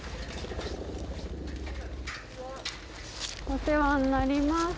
お世話になります。